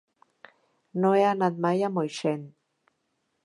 No he anat mai a Moixent.